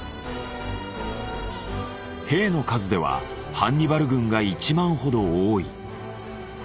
兵の数ではハンニバル軍が１万ほど多い。